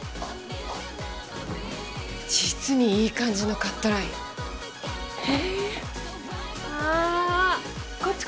実にいい感じのカットラインへえあこっち